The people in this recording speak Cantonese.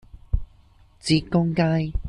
浙江街